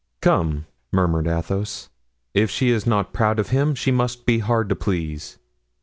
"Come," murmured Athos, "if she is not proud of him, she must be hard to please."